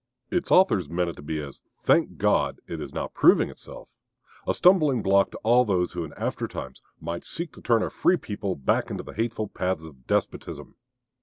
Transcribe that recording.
Its authors meant it to be, as, thank God, it is now proving itself, a stumbling block to all those who in after times might seek to turn a free people back into the hateful paths of despotism.